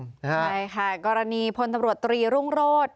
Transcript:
ใช่ค่ะกรณีพลตำรวจตรีรุ่งโรธ